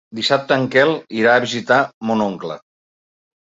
Dissabte en Quel irà a visitar mon oncle.